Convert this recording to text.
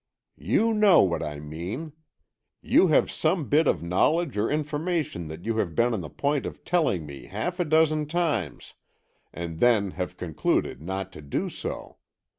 "You know what I mean. You have some bit of knowledge or information that you have been on the point of telling me half a dozen times, and then have concluded not to do so.